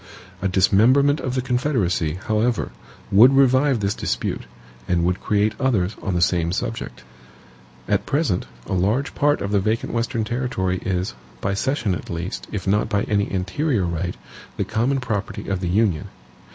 A dismemberment of the Confederacy, however, would revive this dispute, and would create others on the same subject. At present, a large part of the vacant Western territory is, by cession at least, if not by any anterior right, the common property of the Union.